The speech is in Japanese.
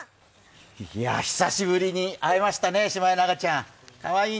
久しぶりに会えましたね、シマエナガちゃん。